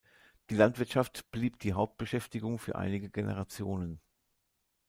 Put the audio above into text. Die Landwirtschaft blieb die Hauptbeschäftigung für einige Generationen.